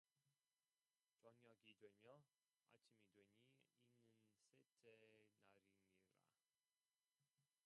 저녁이 되며 아침이 되니 이는 세째 날이니라